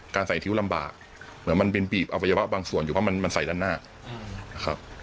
การใส่ทิ้วลำบากเหมือนมันเป็นปีบอภัยวะบางส่วนอยู่ว่ามันใส่ด้านหน้า